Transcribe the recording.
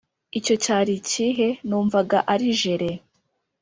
icyo cyari ikihe? numvaga ari jele,